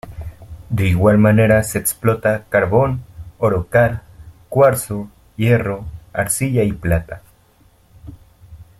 De igual manera se explota carbón, oro cal, cuarzo, hierro, arcilla y plata.